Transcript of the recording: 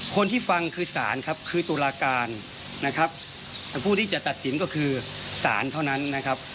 คนที่ฟังคือสารครับคือตุลาการนะครับผู้ที่จะตัดสินก็คือสารเท่านั้นนะครับ